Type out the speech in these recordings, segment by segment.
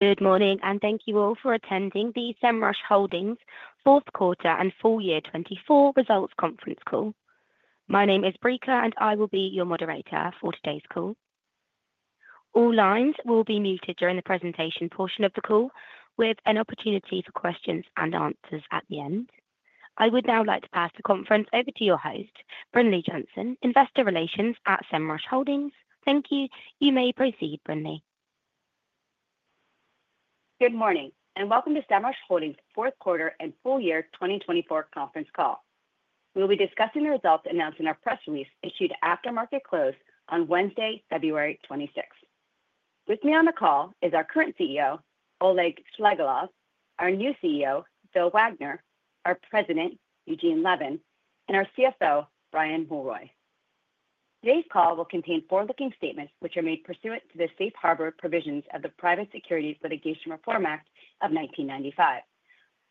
Good morning, and thank you all for attending the Semrush Holdings Fourth Quarter and Full Year 2024 Results Conference Call. My name is Breaker, and I will be your moderator for today's call. All lines will be muted during the presentation portion of the call, with an opportunity for questions and answers at the end. I would now like to pass the conference over to your host, Brinlea Johnson, Investor Relations at Semrush Holdings. Thank you. You may proceed, Brinlea. Good morning, and welcome to Semrush Holdings Fourth Quarter and Full Year 2024 Conference Call. We will be discussing the results announced in our press release issued after market close on Wednesday, February 26. With me on the call is our current CEO, Oleg Shchegolev, our new CEO, Bill Wagner, our President, Eugene Levin, and our CFO, Brian Mulroy. Today's call will contain forward-looking statements which are made pursuant to the Safe Harbor Provisions of the Private Securities Litigation Reform Act of 1995.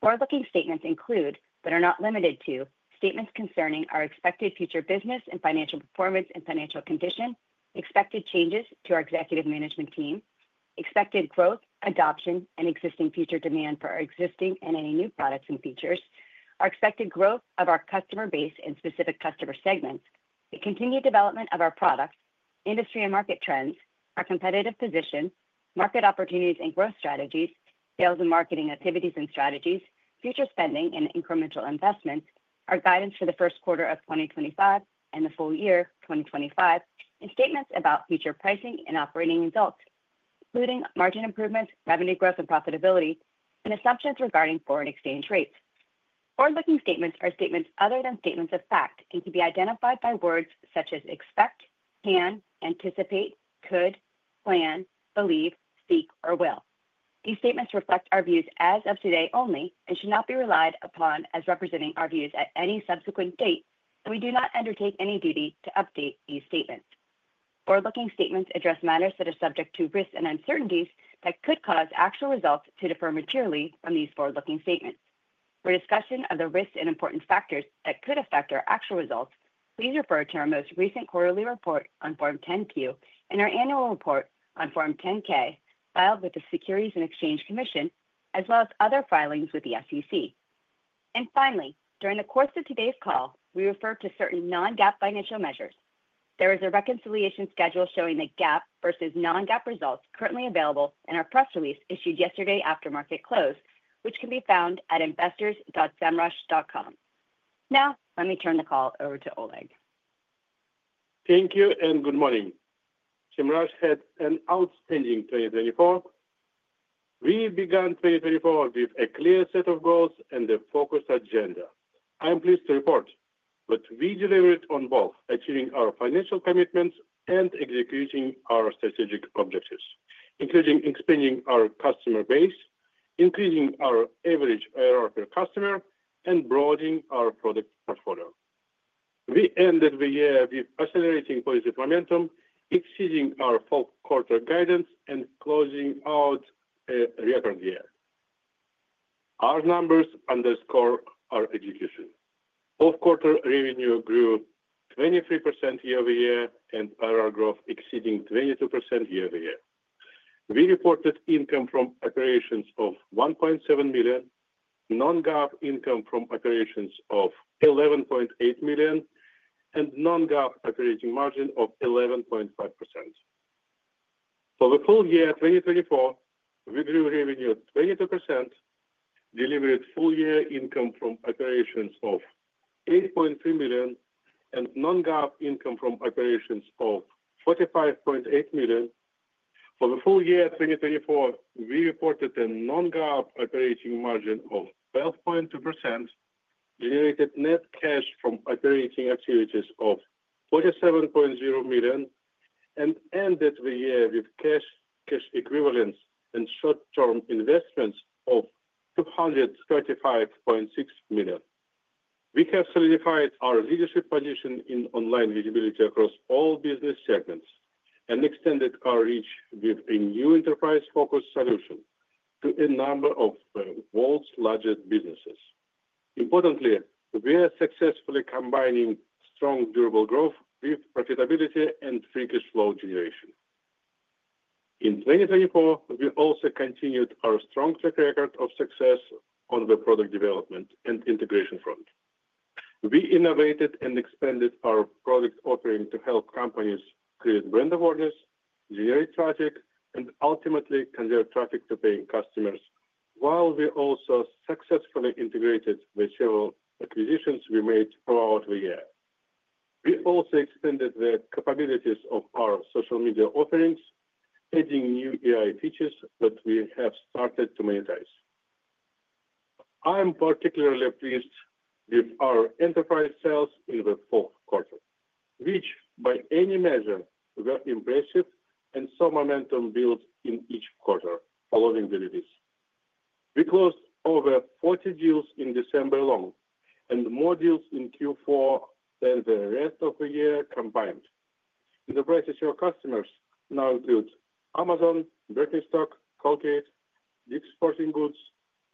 Forward-looking statements include, but are not limited to, statements concerning our expected future business and financial performance and financial condition, expected changes to our executive management team, expected growth, adoption, and existing future demand for our existing and any new products and features, our expected growth of our customer base and specific customer segments, the continued development of our products, industry and market trends, our competitive position, market opportunities and growth strategies, sales and marketing activities and strategies, future spending and incremental investments, our guidance for the first quarter of 2025 and the full year 2025, and statements about future pricing and operating results, including margin improvements, revenue growth, and profitability, and assumptions regarding forward exchange rates. Forward-looking statements are statements other than statements of fact and can be identified by words such as expect, can, anticipate, could, plan, believe, speak, or will. These statements reflect our views as of today only and should not be relied upon as representing our views at any subsequent date, and we do not undertake any duty to update these statements. Forward-looking statements address matters that are subject to risks and uncertainties that could cause actual results to differ materially from these forward-looking statements. For discussion of the risks and important factors that could affect our actual results, please refer to our most recent quarterly report on Form 10-Q and our annual report on Form 10-K filed with the Securities and Exchange Commission, as well as other filings with the SEC. And finally, during the course of today's call, we refer to certain non-GAAP financial measures. There is a reconciliation schedule showing the GAAP versus non-GAAP results currently available in our press release issued yesterday after market close, which can be found at investors.semrush.com. Now, let me turn the call over to Oleg. Thank you and good morning. Semrush had an outstanding 2024. We began 2024 with a clear set of goals and a focused agenda. I'm pleased to report that we delivered on both achieving our financial commitments and executing our strategic objectives, including expanding our customer base, increasing our average ROI per customer, and broadening our product portfolio. We ended the year with accelerating positive momentum, exceeding our fourth quarter guidance, and closing out a record year. Our numbers underscore our execution. Fourth quarter revenue grew 23% year over year and ROI growth exceeding 22% year over year. We reported income from operations of $1.7 million, non-GAAP income from operations of $11.8 million, and non-GAAP operating margin of 11.5%. For the full year 2024, we grew revenue 22%, delivered full year income from operations of $8.3 million, and non-GAAP income from operations of $45.8 million. For the full year 2024, we reported a Non-GAAP operating margin of 12.2%, generated net cash from operating activities of $47.0 million, and ended the year with cash equivalents and short-term investments of $235.6 million. We have solidified our leadership position in online visibility across all business segments and extended our reach with a new enterprise-focused solution to a number of the world's largest businesses. Importantly, we are successfully combining strong durable growth with profitability and free cash flow generation. In 2024, we also continued our strong track record of success on the product development and integration front. We innovated and expanded our product offering to help companies create brand awareness, generate traffic, and ultimately convert traffic to paying customers, while we also successfully integrated with several acquisitions we made throughout the year. We also extended the capabilities of our social media offerings, adding new AI features that we have started to monetize. I'm particularly pleased with our enterprise sales in the fourth quarter, which by any measure were impressive and saw momentum build in each quarter following the release. We closed over 40 deals in December alone and more deals in Q4 than the rest of the year combined. Enterprise-assured customers now include Amazon, Birkenstock, Colgate, Dick's Sporting Goods,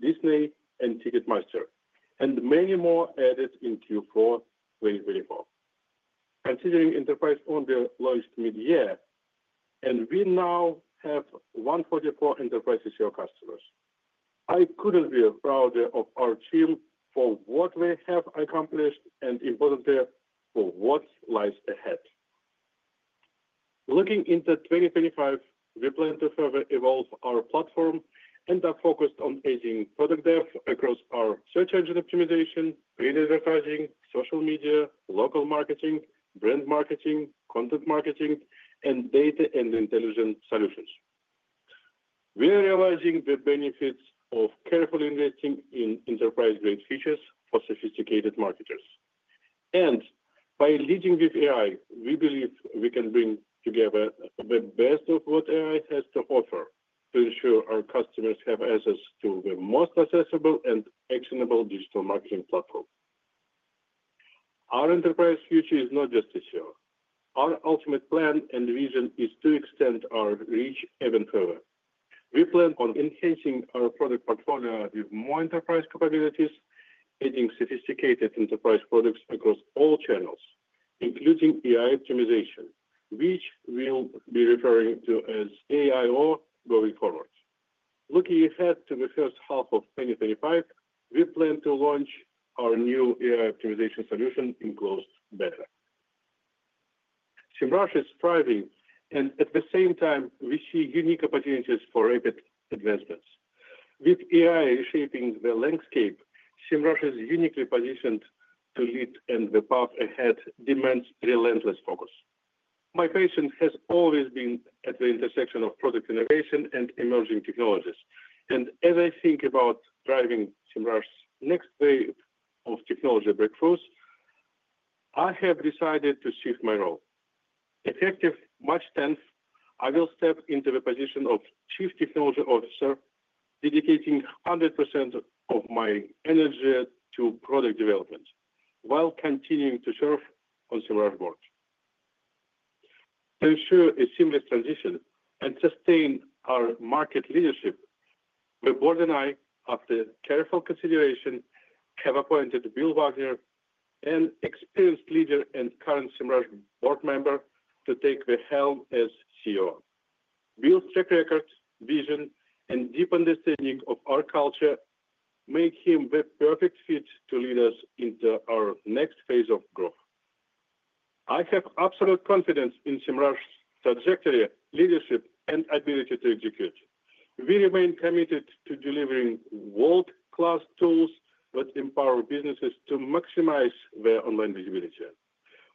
Disney, and Ticketmaster, and many more added in Q4 2024. Considering enterprise ownership launched mid-year, and we now have 144 enterprise-assured customers, I couldn't be prouder of our team for what we have accomplished and, importantly, for what lies ahead. Looking into 2025, we plan to further evolve our platform and are focused on adding product depth across our search engine optimization, print advertising, social media, local marketing, brand marketing, content marketing, and data and intelligence solutions. We are realizing the benefits of carefully investing in enterprise-grade features for sophisticated marketers. And by leading with AI, we believe we can bring together the best of what AI has to offer to ensure our customers have access to the most accessible and actionable digital marketing platform. Our enterprise future is not just assured. Our ultimate plan and vision is to extend our reach even further. We plan on enhancing our product portfolio with more enterprise capabilities, adding sophisticated enterprise products across all channels, including AI Optimization, which we'll be referring to as AIO going forward. Looking ahead to the first half of 2025, we plan to launch our new AI optimization solution in closed beta. Semrush is thriving, and at the same time, we see unique opportunities for rapid advancements. With AI reshaping the landscape, Semrush is uniquely positioned to lead, and the path ahead demands relentless focus. My passion has always been at the intersection of product innovation and emerging technologies. As I think about driving Semrush's next wave of technology breakthroughs, I have decided to shift my role. Effective March 10, I will step into the position of Chief Technology Officer, dedicating 100% of my energy to product development while continuing to serve on Semrush board. To ensure a seamless transition and sustain our market leadership, my board and I, after careful consideration, have appointed Bill Wagner, an experienced leader and current Semrush board member, to take the helm as CEO. Bill's track record, vision, and deep understanding of our culture make him the perfect fit to lead us into our next phase of growth. I have absolute confidence in Semrush's trajectory, leadership, and ability to execute. We remain committed to delivering world-class tools that empower businesses to maximize their online visibility.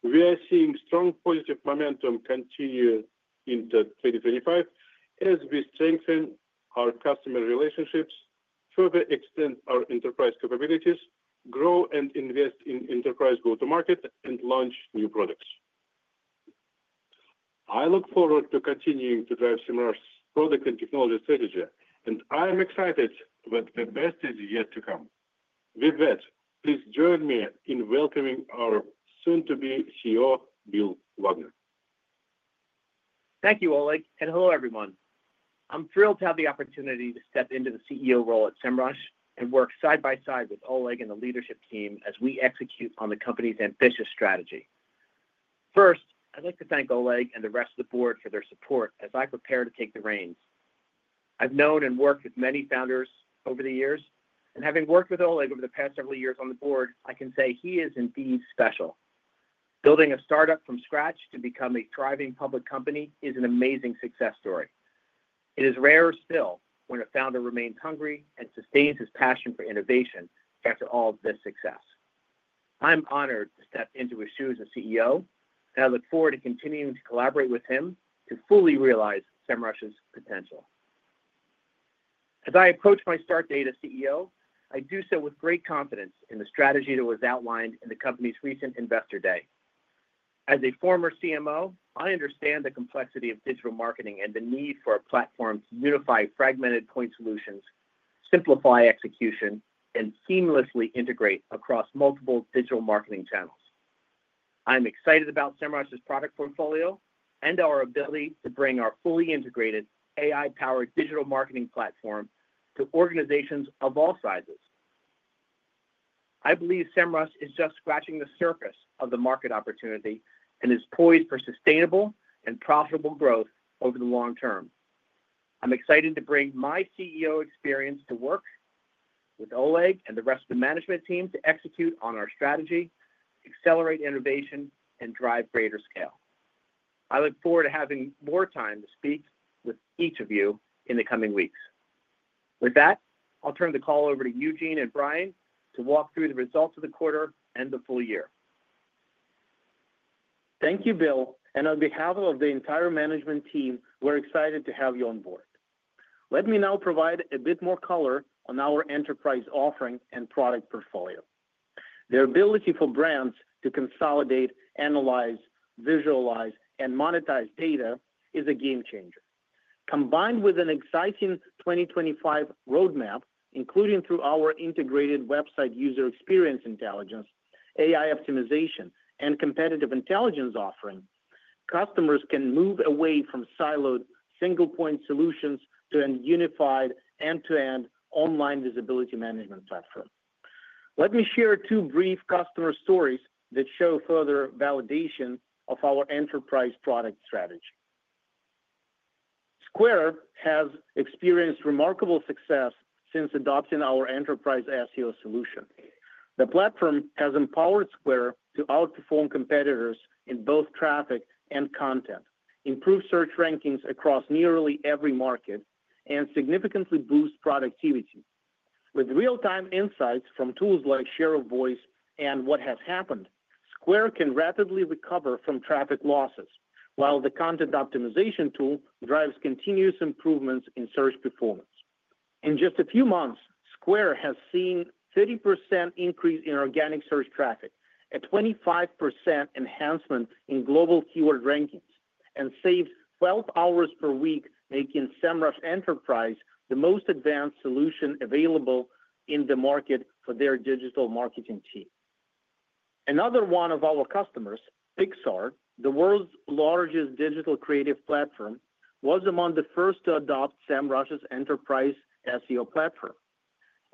We are seeing strong positive momentum continue into 2025 as we strengthen our customer relationships, further extend our enterprise capabilities, grow and invest in enterprise go-to-market, and launch new products. I look forward to continuing to drive Semrush's product and technology strategy, and I'm excited that the best is yet to come. With that, please join me in welcoming our soon-to-be CEO, Bill Wagner. Thank you, Oleg, and hello, everyone. I'm thrilled to have the opportunity to step into the CEO role at Semrush and work side by side with Oleg and the leadership team as we execute on the company's ambitious strategy. First, I'd like to thank Oleg and the rest of the board for their support as I prepare to take the reins. I've known and worked with many founders over the years, and having worked with Oleg over the past several years on the board, I can say he is indeed special. Building a startup from scratch to become a thriving public company is an amazing success story. It is rare still when a founder remains hungry and sustains his passion for innovation after all of this success. I'm honored to step into his shoes as CEO, and I look forward to continuing to collaborate with him to fully realize Semrush's potential. As I approach my start date as CEO, I do so with great confidence in the strategy that was outlined in the company's recent investor day. As a former CMO, I understand the complexity of digital marketing and the need for a platform to unify fragmented point solutions, simplify execution, and seamlessly integrate across multiple digital marketing channels. I'm excited about Semrush's product portfolio and our ability to bring our fully integrated AI-powered digital marketing platform to organizations of all sizes. I believe Semrush is just scratching the surface of the market opportunity and is poised for sustainable and profitable growth over the long term. I'm excited to bring my CEO experience to work with Oleg and the rest of the management team to execute on our strategy, accelerate innovation, and drive greater scale. I look forward to having more time to speak with each of you in the coming weeks. With that, I'll turn the call over to Eugene and Brian to walk through the results of the quarter and the full year. Thank you, Bill. On behalf of the entire management team, we're excited to have you on board. Let me now provide a bit more color on our enterprise offering and product portfolio. The ability for brands to consolidate, analyze, visualize, and monetize data is a game changer. Combined with an exciting 2025 roadmap, including through our integrated website user experience intelligence, AI Optimization, and competitive intelligence offering, customers can move away from siloed single-point solutions to a unified end-to-end online visibility management platform. Let me share two brief customer stories that show further validation of our enterprise product strategy. Square has experienced remarkable success since adopting our Enterprise SEO Solution. The platform has empowered Square to outperform competitors in both traffic and content, improve search rankings across nearly every market, and significantly boost productivity. With real-time insights from tools like Share of Voice and What Has Happened, Square can rapidly recover from traffic losses, while the content optimization tool drives continuous improvements in search performance. In just a few months, Square has seen a 30% increase in organic search traffic, a 25% enhancement in global keyword rankings, and saved 12 hours per week, making Semrush Enterprise the most advanced solution available in the market for their digital marketing team. Another one of our customers, Pixar, the world's largest digital creative platform, was among the first to adopt Semrush's enterprise SEO platform,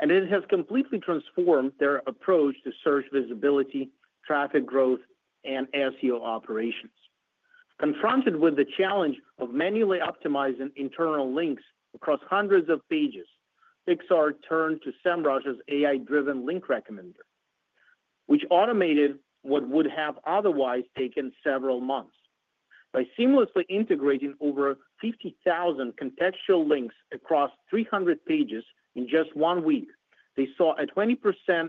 and it has completely transformed their approach to search visibility, traffic growth, and SEO operations. Confronted with the challenge of manually optimizing internal links across hundreds of pages, Pixar turned to Semrush's AI-driven Link Recommender, which automated what would have otherwise taken several months. By seamlessly integrating over 50,000 contextual links across 300 pages in just one week, they saw a 20%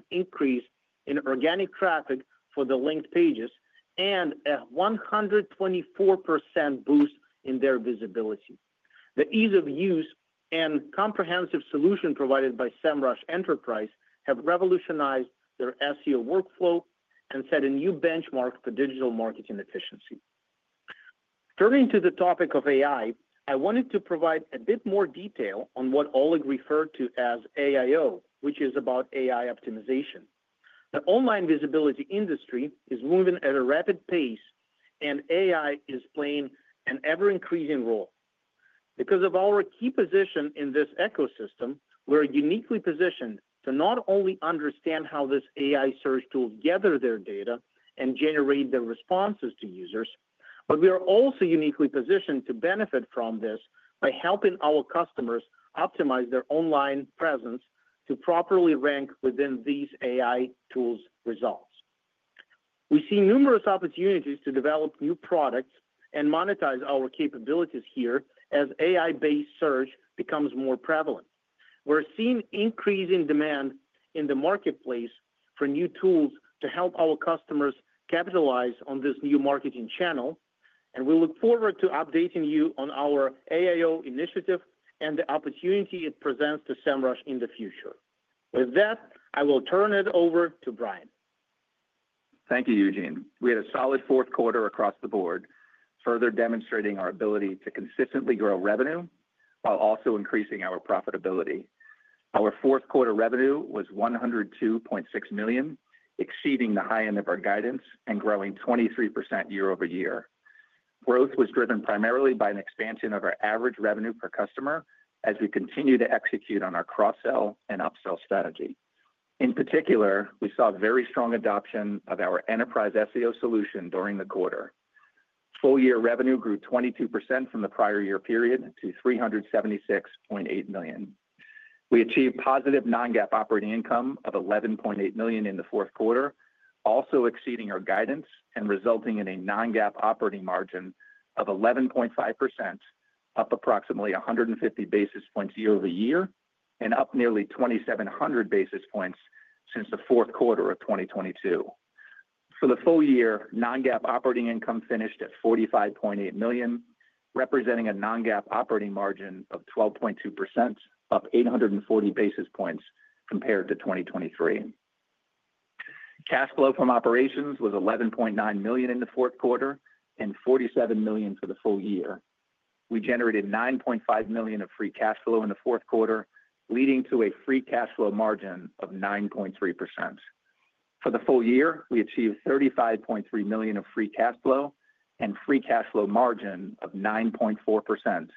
increase in organic traffic for the linked pages and a 124% boost in their visibility. The ease of use and comprehensive solution provided by Semrush Enterprise have revolutionized their SEO workflow and set a new benchmark for digital marketing efficiency. Turning to the topic of AI, I wanted to provide a bit more detail on what Oleg referred to as AIO, which is about AI optimization. The online visibility industry is moving at a rapid pace, and AI is playing an ever-increasing role. Because of our key position in this ecosystem, we're uniquely positioned to not only understand how this AI search tool gathers their data and generates their responses to users, but we are also uniquely positioned to benefit from this by helping our customers optimize their online presence to properly rank within these AI tools' results. We see numerous opportunities to develop new products and monetize our capabilities here as AI-based search becomes more prevalent. We're seeing increasing demand in the marketplace for new tools to help our customers capitalize on this new marketing channel, and we look forward to updating you on our AIO initiative and the opportunity it presents to Semrush in the future. With that, I will turn it over to Brian. Thank you, Eugene. We had a solid fourth quarter across the board, further demonstrating our ability to consistently grow revenue while also increasing our profitability. Our fourth quarter revenue was $102.6 million, exceeding the high end of our guidance and growing 23% year over year. Growth was driven primarily by an expansion of our average revenue per customer as we continue to execute on our cross-sell and up-sell strategy. In particular, we saw very strong adoption of our enterprise SEO solution during the quarter. Full-year revenue grew 22% from the prior year period to $376.8 million. We achieved positive non-GAAP operating income of $11.8 million in the fourth quarter, also exceeding our guidance and resulting in a non-GAAP operating margin of 11.5%, up approximately 150 basis points year over year and up nearly 2,700 basis points since the fourth quarter of 2022. For the full year, non-GAAP operating income finished at $45.8 million, representing a non-GAAP operating margin of 12.2%, up 840 basis points compared to 2023. Cash flow from operations was $11.9 million in the fourth quarter and $47 million for the full year. We generated $9.5 million of free cash flow in the fourth quarter, leading to a free cash flow margin of 9.3%. For the full year, we achieved $35.3 million of free cash flow and free cash flow margin of 9.4%,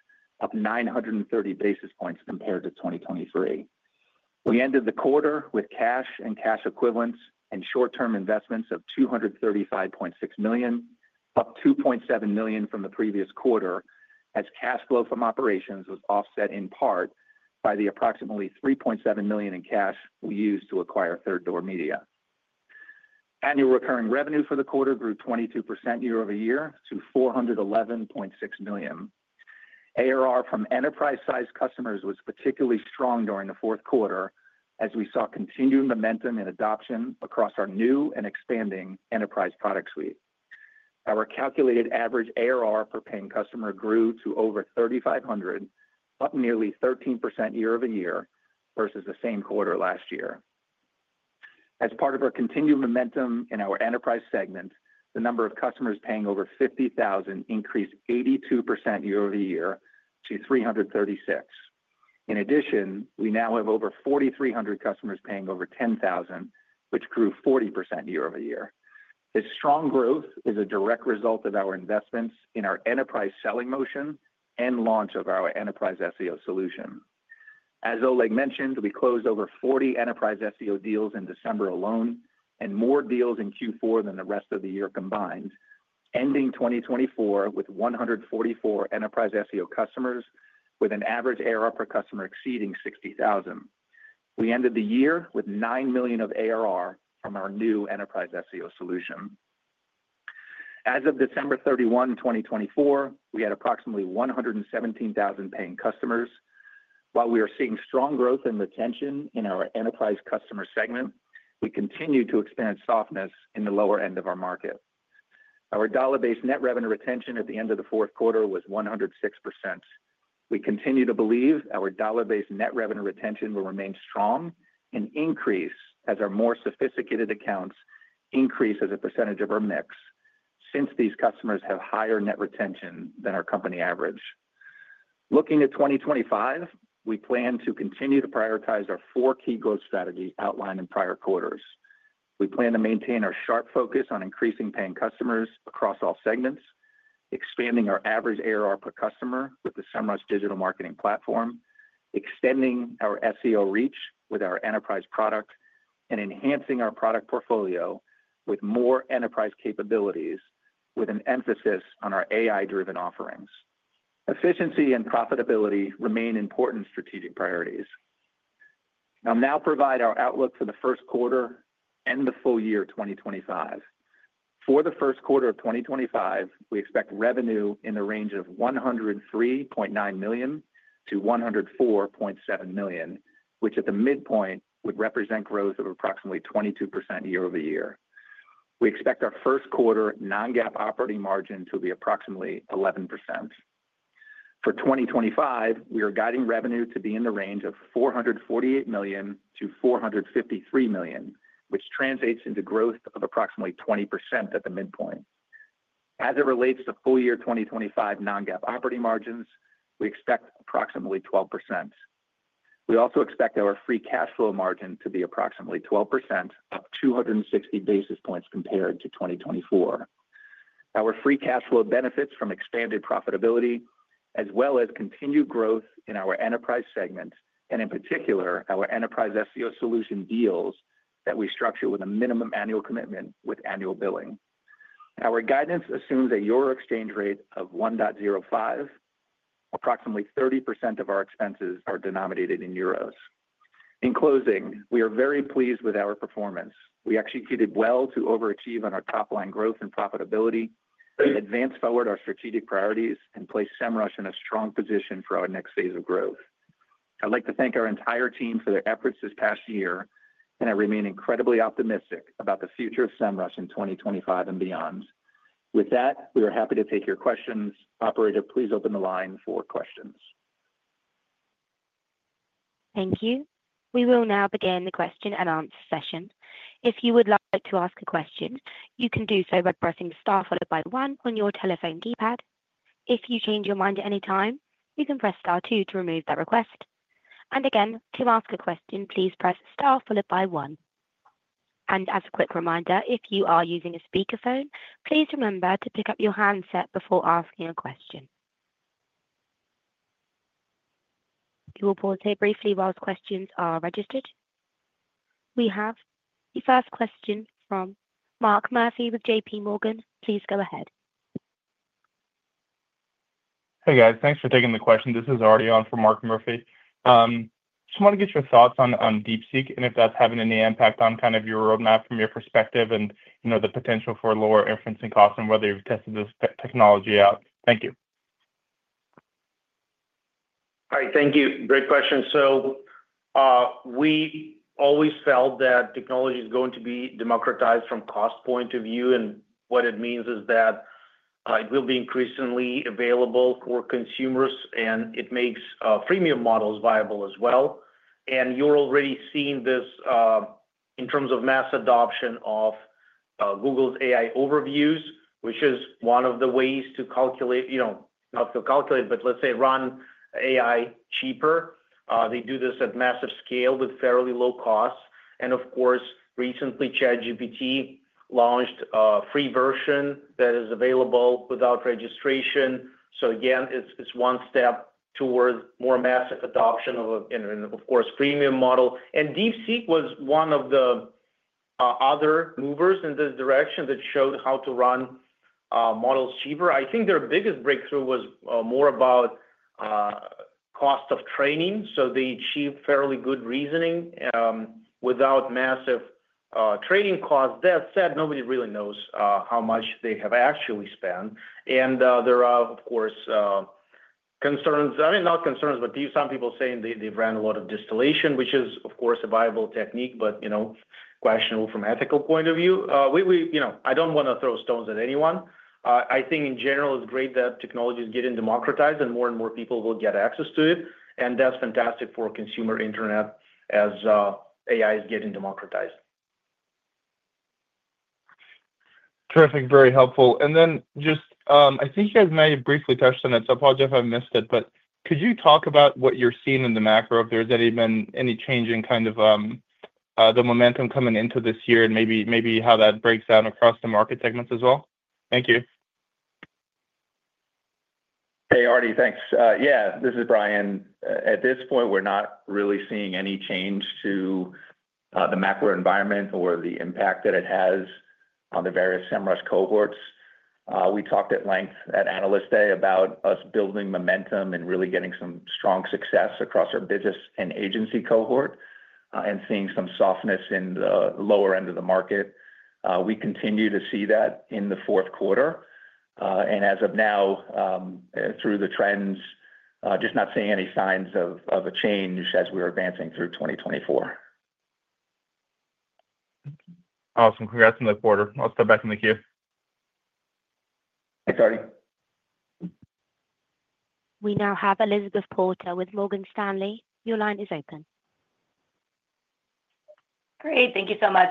up 930 basis points compared to 2023. We ended the quarter with cash and cash equivalents and short-term investments of $235.6 million, up $2.7 million from the previous quarter, as cash flow from operations was offset in part by the approximately $3.7 million in cash we used to acquire Third Door Media. Annual recurring revenue for the quarter grew 22% year over year to $411.6 million. ARR from enterprise-sized customers was particularly strong during the fourth quarter, as we saw continued momentum in adoption across our new and expanding enterprise product suite. Our calculated average ARR per paying customer grew to over $3,500, up nearly 13% year over year versus the same quarter last year. As part of our continued momentum in our enterprise segment, the number of customers paying over $50,000 increased 82% year over year to 336. In addition, we now have over 4,300 customers paying over $10,000, which grew 40% year over year. This strong growth is a direct result of our investments in our enterprise selling motion and launch of our Enterprise SEO Solution. As Oleg mentioned, we closed over 40 enterprise SEO deals in December alone and more deals in Q4 than the rest of the year combined, ending 2024 with 144 enterprise SEO customers, with an average ARR per customer exceeding $60,000. We ended the year with $9 million of ARR from our new enterprise SEO solution. As of December 31, 2024, we had approximately 117,000 paying customers. While we are seeing strong growth and retention in our enterprise customer segment, we continue to expand softness in the lower end of our market. Our dollar-based net revenue retention at the end of the fourth quarter was 106%. We continue to believe our dollar-based net revenue retention will remain strong and increase as our more sophisticated accounts increase as a percentage of our mix since these customers have higher net retention than our company average. Looking at 2025, we plan to continue to prioritize our four key growth strategies outlined in prior quarters. We plan to maintain our sharp focus on increasing paying customers across all segments, expanding our average ARR per customer with the Semrush Digital Marketing Platform, extending our SEO reach with our enterprise product, and enhancing our product portfolio with more enterprise capabilities, with an emphasis on our AI-driven offerings. Efficiency and profitability remain important strategic priorities. I'll now provide our outlook for the first quarter and the full year 2025. For the first quarter of 2025, we expect revenue in the range of $103.9 million-$104.7 million, which at the midpoint would represent growth of approximately 22% year over year. We expect our first quarter non-GAAP operating margin to be approximately 11%. For 2025, we are guiding revenue to be in the range of $448 million-$453 million, which translates into growth of approximately 20% at the midpoint. As it relates to full year 2025 non-GAAP operating margins, we expect approximately 12%. We also expect our free cash flow margin to be approximately 12%, up 260 basis points compared to 2024. Our free cash flow benefits from expanded profitability, as well as continued growth in our enterprise segment, and in particular, our enterprise SEO solution deals that we structure with a minimum annual commitment with annual billing. Our guidance assumes the euro exchange rate of 1.05. Approximately 30% of our expenses are denominated in euros. In closing, we are very pleased with our performance. We executed well to overachieve on our top-line growth and profitability, advance forward our strategic priorities, and place Semrush in a strong position for our next phase of growth. I'd like to thank our entire team for their efforts this past year, and I remain incredibly optimistic about the future of Semrush in 2025 and beyond. With that, we are happy to take your questions. Operator, please open the line for questions. Thank you. We will now begin the question and answer session. If you would like to ask a question, you can do so by pressing star followed by one on your telephone keypad. If you change your mind at any time, you can press star two to remove that request. And again, to ask a question, please press star followed by one. And as a quick reminder, if you are using a speakerphone, please remember to pick up your handset before asking a question. We will pause here briefly while questions are registered. We have the first question from Mark Murphy with J.P. Morgan. Please go ahead. Hey, guys. Thanks for taking the question. This is Artiom from Mark Murphy. Just want to get your thoughts on DeepSeek and if that's having any impact on kind of your roadmap from your perspective and the potential for lower inference and cost and whether you've tested this technology out. Thank you. All right. Thank you. Great question. So we always felt that technology is going to be democratized from a cost point of view. And what it means is that it will be increasingly available for consumers, and it makes freemium models viable as well. And you're already seeing this in terms of mass adoption of Google's AI Overviews, which is one of the ways to calculate, not to calculate, but let's say run AI cheaper. They do this at massive scale with fairly low costs. And of course, recently, ChatGPT launched a free version that is available without registration. So again, it's one step towards more massive adoption of, of course, a freemium model. And DeepSeek was one of the other movers in this direction that showed how to run models cheaper. I think their biggest breakthrough was more about cost of training. So they achieved fairly good reasoning without massive training costs. That said, nobody really knows how much they have actually spent. And there are, of course, concerns. I mean, not concerns, but some people saying they've ran a lot of distillation, which is, of course, a viable technique, but questionable from an ethical point of view. I don't want to throw stones at anyone. I think, in general, it's great that technology is getting democratized and more and more people will get access to it. And that's fantastic for consumer internet as AI is getting democratized. Terrific. Very helpful. And then just I think you guys may have briefly touched on it. So I apologize if I missed it, but could you talk about what you're seeing in the macro, if there's any change in kind of the momentum coming into this year and maybe how that breaks down across the market segments as well? Thank you. Hey, Ardie, thanks. Yeah, this is Brian. At this point, we're not really seeing any change to the macro environment or the impact that it has on the various Semrush cohorts. We talked at length at Analyst Day about us building momentum and really getting some strong success across our business and agency cohort and seeing some softness in the lower end of the market. We continue to see that in the fourth quarter, and as of now, through the trends, just not seeing any signs of a change as we're advancing through 2024. Awesome. Congrats on the quarter. I'll step back in the queue. Thanks. We now have Elizabeth Porter with Morgan Stanley. Your line is open. Great. Thank you so much.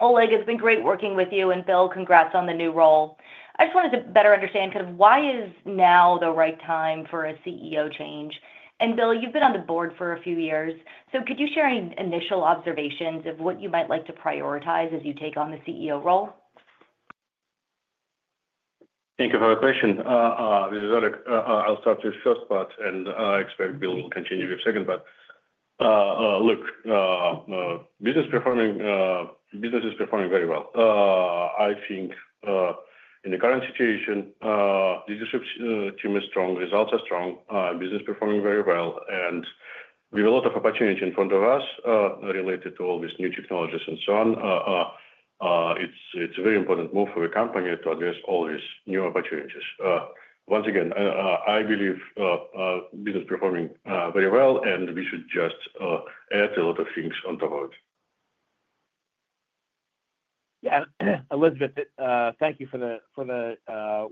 Oleg, it's been great working with you, and Bill, congrats on the new role. I just wanted to better understand kind of why is now the right time for a CEO change, and Bill, you've been on the board for a few years, so could you share any initial observations of what you might like to prioritize as you take on the CEO role? Thank you for the question. I'll start with the first part, and I expect Bill will continue with the second part. Look, business is performing very well. I think in the current situation, the leadership team is strong, results are strong, business is performing very well, and we have a lot of opportunity in front of us related to all these new technologies and so on. It's a very important move for the company to address all these new opportunities. Once again, I believe business is performing very well, and we should just add a lot of things on top of it. Yeah. Elizabeth, thank you for the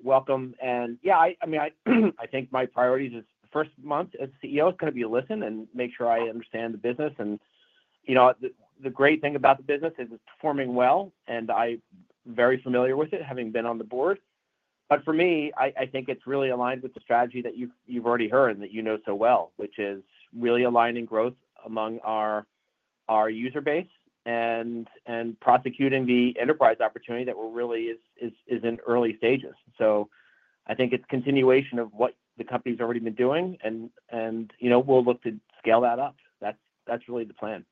welcome. And yeah, I mean, I think my priorities this first month as CEO is going to be to listen and make sure I understand the business. And the great thing about the business is it's performing well, and I'm very familiar with it, having been on the board. But for me, I think it's really aligned with the strategy that you've already heard and that you know so well, which is really aligning growth among our user base and prosecuting the enterprise opportunity that we're really in early stages. So I think it's a continuation of what the company's already been doing, and we'll look to scale that up. That's really the plan.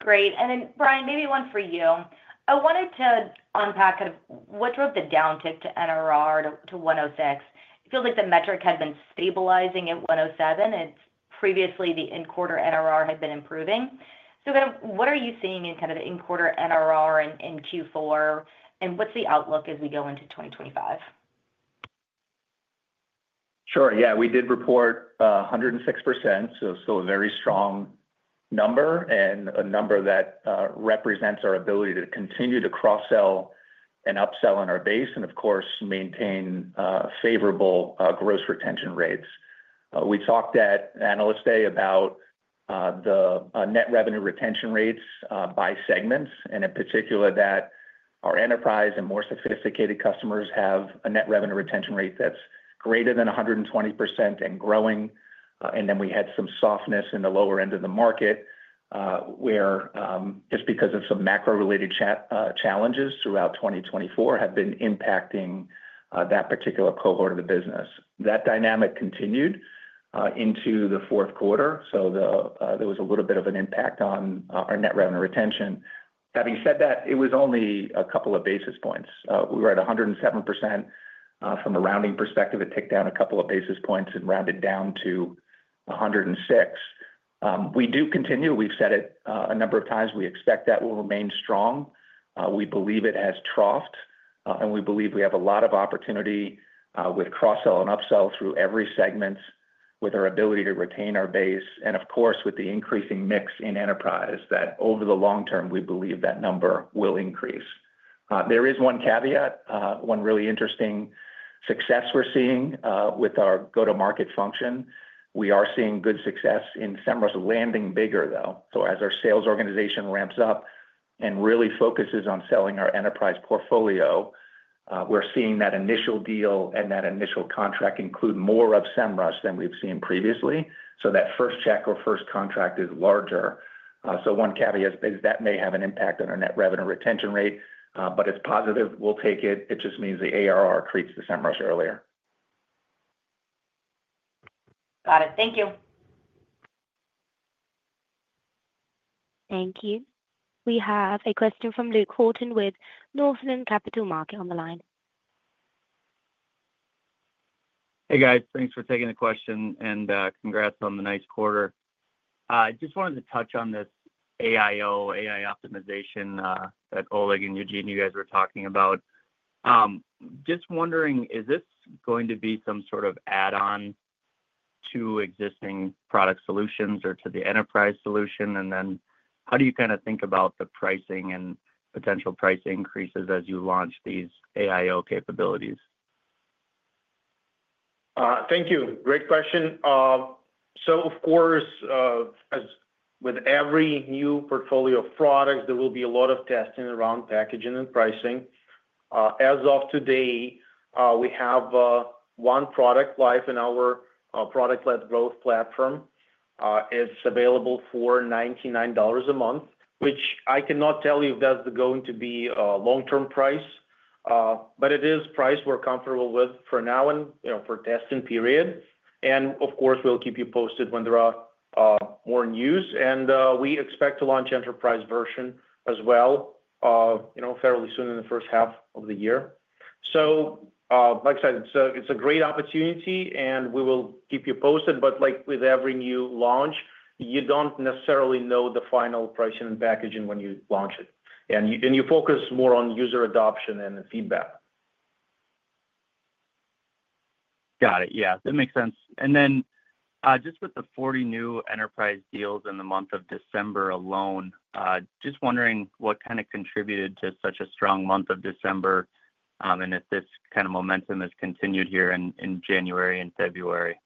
Great. And then, Brian, maybe one for you. I wanted to unpack kind of what drove the downtick to NRR to 106. It feels like the metric had been stabilizing at 107. Previously, the in-quarter NRR had been improving. So kind of what are you seeing in kind of the in-quarter NRR in Q4, and what's the outlook as we go into 2025? Sure. Yeah. We did report 106%, so a very strong number and a number that represents our ability to continue to cross-sell and upsell on our base and, of course, maintain favorable gross retention rates. We talked at Analyst Day about the net revenue retention rates by segments, and in particular, that our enterprise and more sophisticated customers have a net revenue retention rate that's greater than 120% and growing, and then we had some softness in the lower end of the market where, just because of some macro-related challenges throughout 2024, have been impacting that particular cohort of the business. That dynamic continued into the fourth quarter, so there was a little bit of an impact on our net revenue retention. Having said that, it was only a couple of basis points. We were at 107%. From a rounding perspective, it ticked down a couple of basis points and rounded down to 106. We do continue. We've said it a number of times. We expect that will remain strong. We believe it has troughed, and we believe we have a lot of opportunity with cross-sell and upsell through every segment with our ability to retain our base. And of course, with the increasing mix in enterprise, that over the long term, we believe that number will increase. There is one caveat, one really interesting success we're seeing with our go-to-market function. We are seeing good success in Semrush landing bigger, though. So as our sales organization ramps up and really focuses on selling our enterprise portfolio, we're seeing that initial deal and that initial contract include more of Semrush than we've seen previously. So that first check or first contract is larger. So one caveat is that may have an impact on our net revenue retention rate, but it's positive. We'll take it. It just means the ARR creeps to Semrush earlier. Got it. Thank you. Thank you. We have a question from Luke Horton with Northland Capital Markets on the line. Hey, guys. Thanks for taking the question, and congrats on the nice quarter. I just wanted to touch on this AIO, AI optimization that Oleg and Eugene, you guys were talking about. Just wondering, is this going to be some sort of add-on to existing product solutions or to the enterprise solution? And then how do you kind of think about the pricing and potential price increases as you launch these AIO capabilities? Thank you. Great question. So of course, with every new portfolio of products, there will be a lot of testing around packaging and pricing. As of today, we have one product live in our product-led growth platform. It's available for $99 a month, which I cannot tell you if that's going to be a long-term price, but it is a price we're comfortable with for now and for testing period. And of course, we'll keep you posted when there are more news. And we expect to launch the enterprise version as well fairly soon in the first half of the year. So like I said, it's a great opportunity, and we will keep you posted. But like with every new launch, you don't necessarily know the final pricing and packaging when you launch it. And you focus more on user adoption and feedback. Got it. Yeah. That makes sense, and then just with the 40 new enterprise deals in the month of December alone, just wondering what kind of contributed to such a strong month of December and if this kind of momentum has continued here in January and February.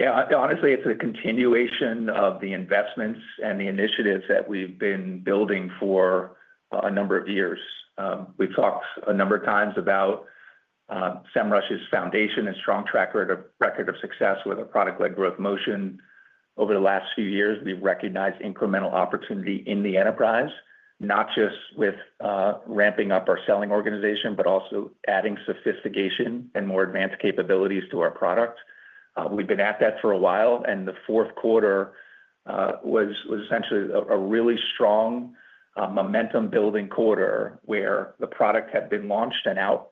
Yeah. Honestly, it's a continuation of the investments and the initiatives that we've been building for a number of years. We've talked a number of times about Semrush's foundation and strong track record of success with our product-led growth motion. Over the last few years, we've recognized incremental opportunity in the enterprise, not just with ramping up our selling organization, but also adding sophistication and more advanced capabilities to our product. We've been at that for a while, and the fourth quarter was essentially a really strong momentum-building quarter where the product had been launched and out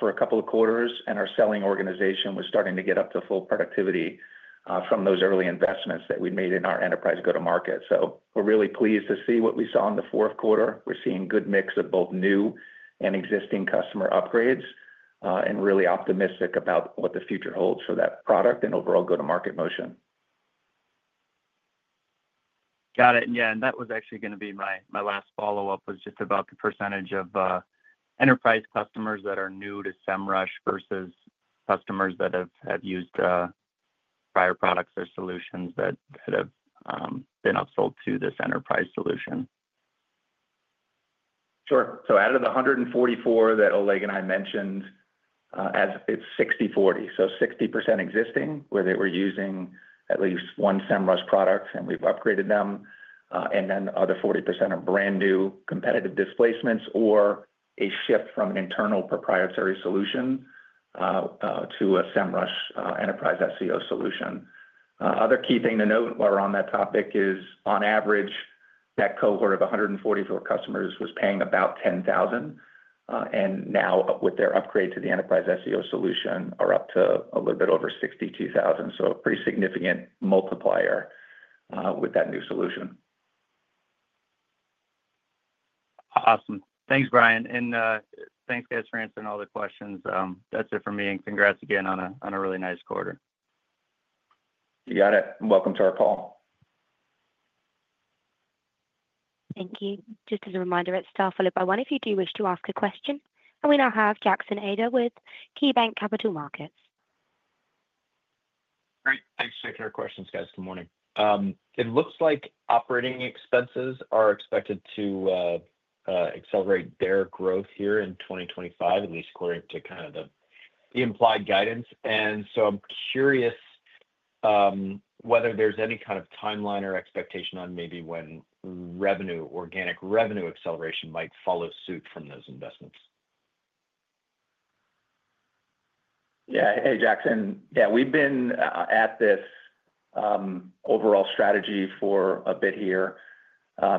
for a couple of quarters, and our selling organization was starting to get up to full productivity from those early investments that we made in our enterprise go-to-market. So we're really pleased to see what we saw in the fourth quarter. We're seeing a good mix of both new and existing customer upgrades and really optimistic about what the future holds for that product and overall go-to-market motion. Got it. Yeah. And that was actually going to be my last follow-up, was just about the percentage of enterprise customers that are new to Semrush versus customers that have used prior products or solutions that have been upsold to this enterprise solution. Sure. So out of the 144 that Oleg and I mentioned, it's 60/40. So 60% existing where they were using at least one Semrush product, and we've upgraded them. And then the other 40% are brand new competitive displacements or a shift from an internal proprietary solution to a Semrush enterprise SEO solution. Other key thing to note while we're on that topic is, on average, that cohort of 144 customers was paying about $10,000. And now, with their upgrade to the enterprise SEO solution, we're up to a little bit over $62,000. So a pretty significant multiplier with that new solution. Awesome. Thanks, Brian. And thanks, guys, for answering all the questions. That's it for me. And congrats again on a really nice quarter. You got it. Welcome to our call. Thank you. Just as a reminder, it's star followed by one if you do wish to ask a question, and we now have Jackson Ader with KeyBanc Capital Markets. Great. Thanks for taking our questions, guys. Good morning. It looks like operating expenses are expected to accelerate their growth here in 2025, at least according to kind of the implied guidance. And so I'm curious whether there's any kind of timeline or expectation on maybe when revenue, organic revenue acceleration might follow suit from those investments. Yeah. Hey, Jackson. Yeah. We've been at this overall strategy for a bit here.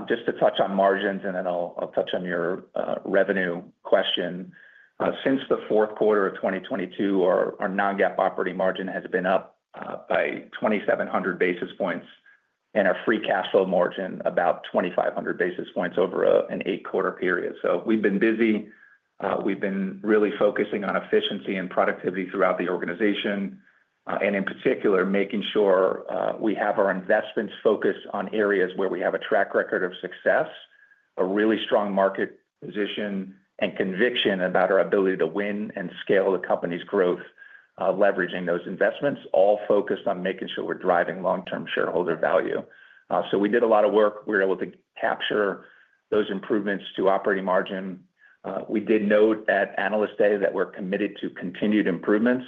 Just to touch on margins, and then I'll touch on your revenue question. Since the fourth quarter of 2022, our non-GAAP operating margin has been up by 2,700 basis points and our free cash flow margin about 2,500 basis points over an eight-quarter period. So we've been busy. We've been really focusing on efficiency and productivity throughout the organization. And in particular, making sure we have our investments focused on areas where we have a track record of success, a really strong market position, and conviction about our ability to win and scale the company's growth, leveraging those investments, all focused on making sure we're driving long-term shareholder value. So we did a lot of work. We were able to capture those improvements to operating margin. We did note at Analyst Day that we're committed to continued improvements,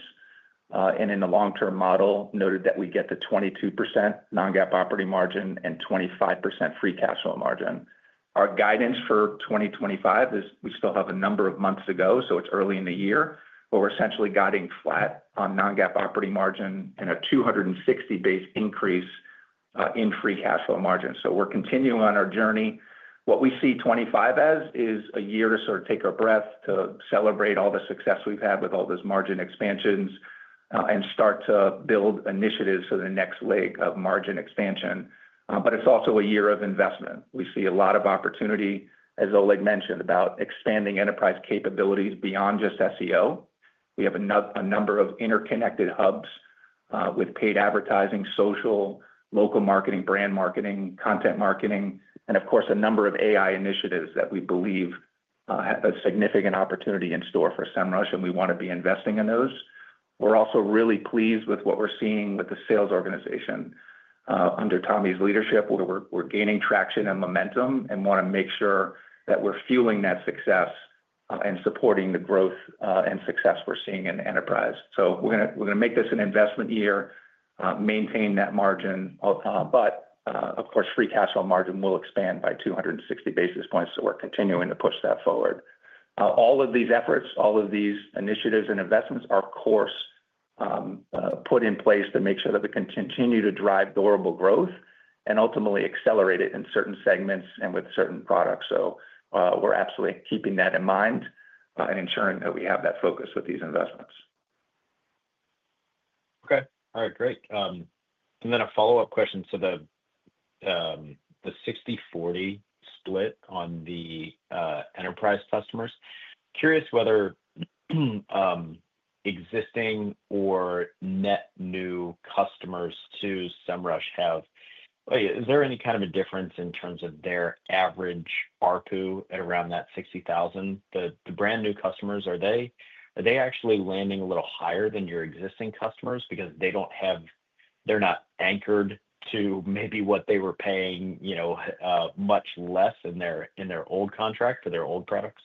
and in the long-term model, noted that we get the 22% non-GAAP operating margin and 25% free cash flow margin. Our guidance for 2025 is we still have a number of months to go, so it's early in the year, but we're essentially guiding flat on non-GAAP operating margin and a 260 basis points increase in free cash flow margin, so we're continuing on our journey. What we see 2025 as is a year to sort of take a breath, to celebrate all the success we've had with all those margin expansions, and start to build initiatives for the next leg of margin expansion, but it's also a year of investment. We see a lot of opportunity, as Oleg mentioned, about expanding enterprise capabilities beyond just SEO. We have a number of interconnected hubs with paid advertising, social, local marketing, brand marketing, content marketing, and of course, a number of AI initiatives that we believe have a significant opportunity in store for Semrush, and we want to be investing in those. We're also really pleased with what we're seeing with the sales organization under Tommy's leadership, where we're gaining traction and momentum and want to make sure that we're fueling that success and supporting the growth and success we're seeing in enterprise. So we're going to make this an investment year, maintain that margin. But of course, free cash flow margin will expand by 260 basis points, so we're continuing to push that forward. All of these efforts, all of these initiatives and investments are, of course, put in place to make sure that we can continue to drive durable growth and ultimately accelerate it in certain segments and with certain products. So we're absolutely keeping that in mind and ensuring that we have that focus with these investments. Okay. All right. Great. And then a follow-up question. So the 60/40 split on the enterprise customers, curious whether existing or net new customers to Semrush have, is there any kind of a difference in terms of their average RPU at around that $60,000? The brand new customers, are they actually landing a little higher than your existing customers because they're not anchored to maybe what they were paying much less in their old contract for their old products?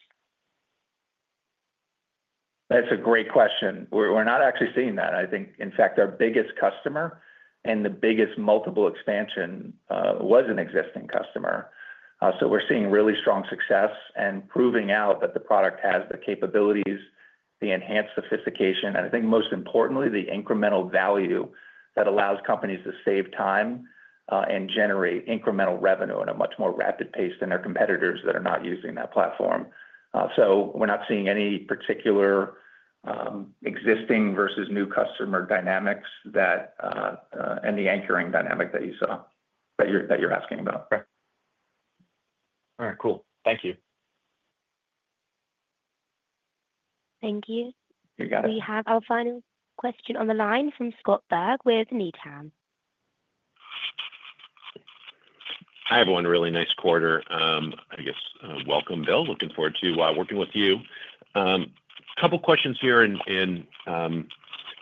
That's a great question. We're not actually seeing that. I think, in fact, our biggest customer and the biggest multiple expansion was an existing customer. So we're seeing really strong success and proving out that the product has the capabilities, the enhanced sophistication, and I think most importantly, the incremental value that allows companies to save time and generate incremental revenue at a much more rapid pace than their competitors that are not using that platform. So we're not seeing any particular existing versus new customer dynamics and the anchoring dynamic that you saw that you're asking about. All right. Cool. Thank you. Thank you. We have our final question on the line from Scott Berg with Needham. Hi, everyone. Really nice quarter. I guess, welcome, Bill. Looking forward to working with you. A couple of questions here and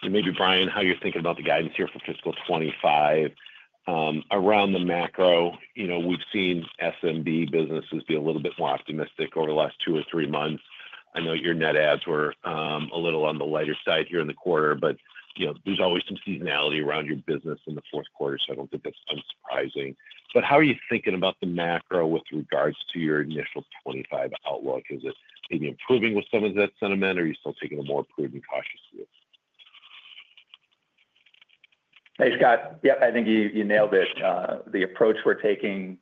maybe, Brian, how you're thinking about the guidance here for fiscal 2025. Around the macro, we've seen SMB businesses be a little bit more optimistic over the last two or three months. I know your net adds were a little on the lighter side here in the quarter, but there's always some seasonality around your business in the fourth quarter, so I don't think that's unsurprising, but how are you thinking about the macro with regards to your initial 2025 outlook? Is it maybe improving with some of that sentiment, or are you still taking a more prudent, cautious view? Hey, Scott. Yep. I think you nailed it. The approach we're taking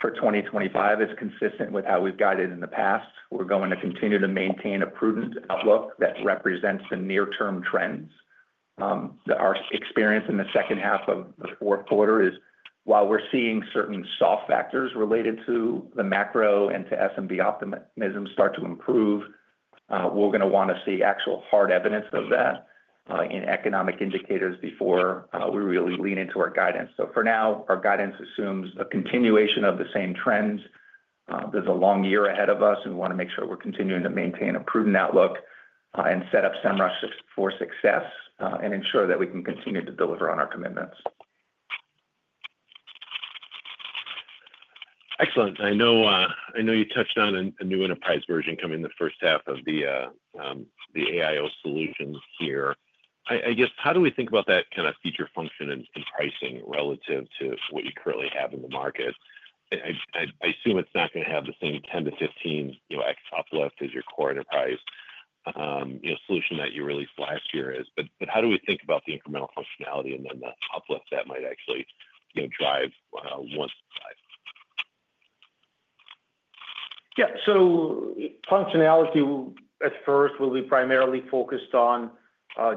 for 2025 is consistent with how we've guided in the past. We're going to continue to maintain a prudent outlook that represents the near-term trends. Our experience in the second half of the fourth quarter is, while we're seeing certain soft factors related to the macro and to SMB optimism start to improve, we're going to want to see actual hard evidence of that in economic indicators before we really lean into our guidance. So for now, our guidance assumes a continuation of the same trends. There's a long year ahead of us, and we want to make sure we're continuing to maintain a prudent outlook and set up Semrush for success and ensure that we can continue to deliver on our commitments. Excellent. I know you touched on a new enterprise version coming in the first half of the AIO solution here. I guess, how do we think about that kind of feature function and pricing relative to what you currently have in the market? I assume it's not going to have the same 10-15X uplift as your core enterprise solution that you released last year. But how do we think about the incremental functionality and then the uplift that might actually drive once? Yeah. So functionality at first will be primarily focused on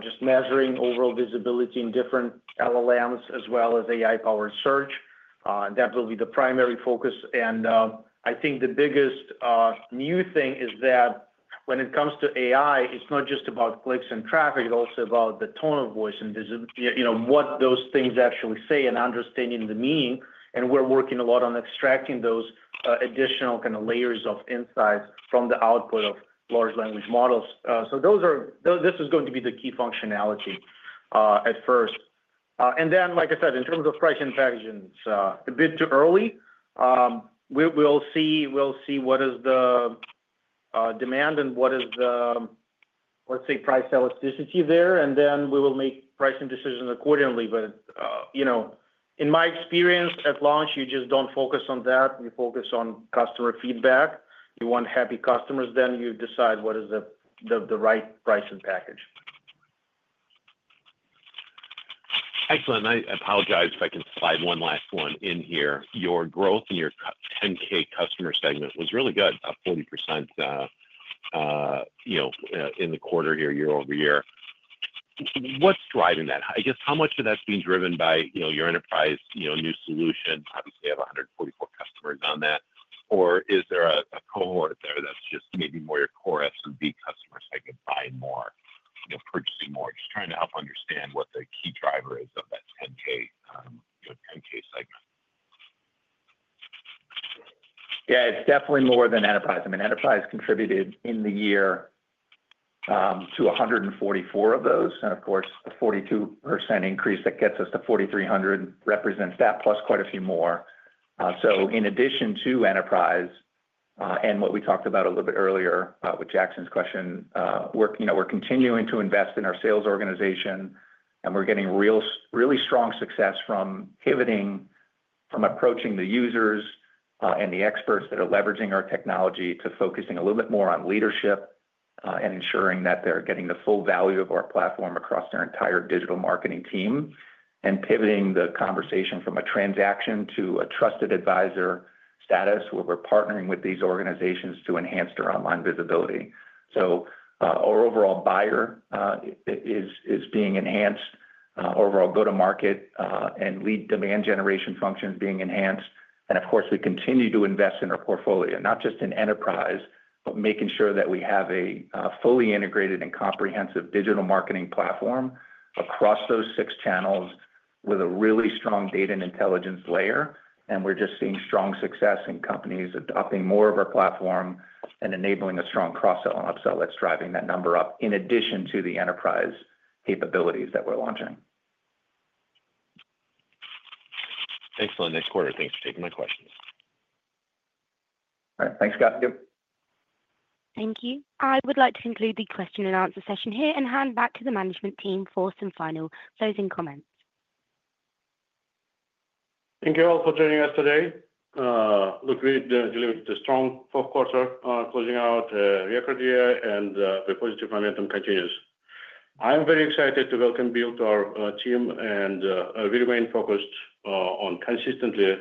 just measuring overall visibility in different LLMs as well as AI-powered search. That will be the primary focus. And I think the biggest new thing is that when it comes to AI, it's not just about clicks and traffic. It's also about the tone of voice and what those things actually say and understanding the meaning. And we're working a lot on extracting those additional kind of layers of insights from the output of large language models. So this is going to be the key functionality at first. And then, like I said, in terms of pricing packaging, it's a bit too early. We'll see what is the demand and what is the, let's say, price elasticity there. And then we will make pricing decisions accordingly. But in my experience, at launch, you just don't focus on that. You focus on customer feedback. You want happy customers. Then you decide what is the right pricing package. Excellent. I apologize if I can slide one last one in here. Your growth in your 10K customer segment was really good, about 40% in the quarter here, year over year. What's driving that? I guess, how much of that's being driven by your enterprise new solution? Obviously, you have 144 customers on that. Or is there a cohort there that's just maybe more your core SMB customers that could buy more, purchasing more? Just trying to help understand what the key driver is of that 10K segment. Yeah. It's definitely more than enterprise. I mean, enterprise contributed in the year to 144 of those. And of course, the 42% increase that gets us to 4,300 represents that plus quite a few more. So in addition to enterprise and what we talked about a little bit earlier with Jackson's question, we're continuing to invest in our sales organization, and we're getting really strong success from pivoting, from approaching the users and the experts that are leveraging our technology to focusing a little bit more on leadership and ensuring that they're getting the full value of our platform across their entire digital marketing team and pivoting the conversation from a transaction to a trusted advisor status where we're partnering with these organizations to enhance their online visibility. So our overall buyer is being enhanced, overall go-to-market and lead demand generation functions being enhanced. Of course, we continue to invest in our portfolio, not just in enterprise, but making sure that we have a fully integrated and comprehensive digital marketing platform across those six channels with a really strong data and intelligence layer. We're just seeing strong success in companies adopting more of our platform and enabling a strong cross-sell and upsell that's driving that number up in addition to the enterprise capabilities that we're launching. Excellent. Next quarter. Thanks for taking my questions. All right. Thanks, Scott. Thank you. I would like to conclude the question and answer session here and hand back to the management team for some final closing comments. Thank you all for joining us today. Look, we delivered a strong fourth quarter, closing out record year, and the positive momentum continues. I'm very excited to welcome Bill to our team, and we remain focused on consistently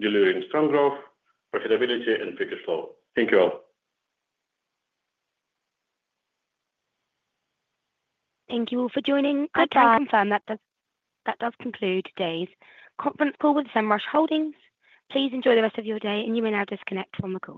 delivering strong growth, profitability, and free cash flow. Thank you all. Thank you all for joining. I can confirm that does conclude today's conference call with Semrush Holdings. Please enjoy the rest of your day, and you may now disconnect from the call.